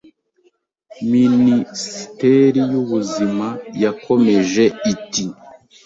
Minisiteri y’Ubuzima yakomeje iti